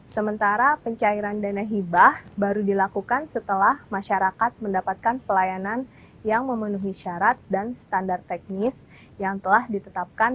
sementara pencairan dana hibah baru dilakukan setelah masyarakat mendapatkan pelayanan yang memenuhi syarat dan standar teknis yang telah ditetapkan